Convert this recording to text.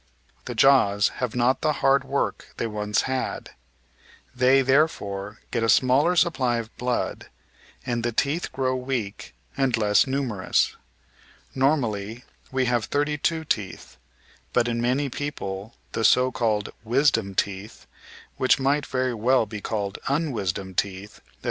The jaws have not the hard work they once had ; they therefore get a smaller supply of blood, and the teeth grow weak and less numerous. Normally we have thirty two teeth, but in many people the so called "wisdom teeth" [(which might very well be called unwisdom teeth, as they are H (1749 1823) I iTy'ibvalonnMiii small|...>